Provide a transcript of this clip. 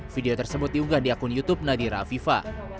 video tersebut diunggah di akun youtube nadira afifa